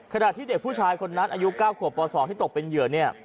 ขณะที่เด็กผู้ชายคนนั้นอายุ๙ขวบป๒ที่ตกเป็นเหยื่อเนี่ย